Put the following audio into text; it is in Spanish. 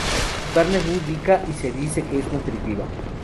Su carne es muy rica y se dice que es nutritiva.